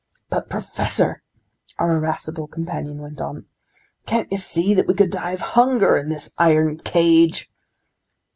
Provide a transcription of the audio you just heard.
"But professor," our irascible companion went on, "can't you see that we could die of hunger in this iron cage?"